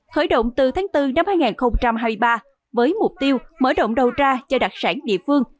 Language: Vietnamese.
khởi động từ tháng bốn năm hai nghìn hai mươi ba với mục tiêu mở đầu ra cho đặc sản địa phương